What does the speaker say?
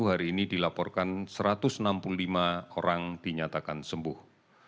hari ini dilaporkan satu ratus enam puluh lima orang dinyatakan sembuh